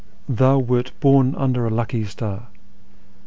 thou wert born under a lucky star.